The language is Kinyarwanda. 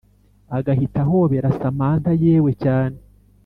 agahita ahobera samantha yewe cyane